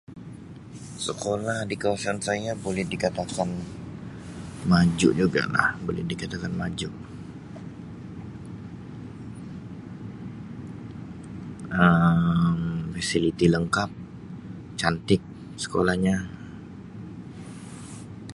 Sekolah di kawasan saya boleh dikatakan maju juga lah boleh dikatakan maju Um fasiliti lengkap, cantik sekolahnya.